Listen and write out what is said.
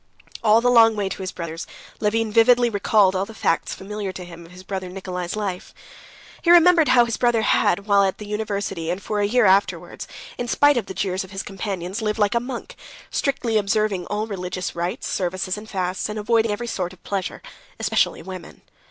All the long way to his brother's, Levin vividly recalled all the facts familiar to him of his brother Nikolay's life. He remembered how his brother, while at the university, and for a year afterwards, had, in spite of the jeers of his companions, lived like a monk, strictly observing all religious rites, services, and fasts, and avoiding every sort of pleasure, especially women.